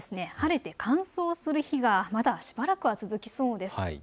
天気は晴れて乾燥する日がまだしばらくは続きそうです。